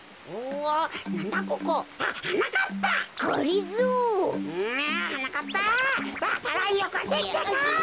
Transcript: わか蘭よこせってか！